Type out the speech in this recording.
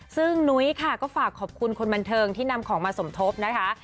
ซึ่งนุ้ยค่ะก็ฝากขอบคุณคนบันเทิงที่นำของมาสมทบนะคะ